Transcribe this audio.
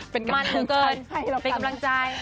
เป็นกำลังเกินเป็นกำลังใจ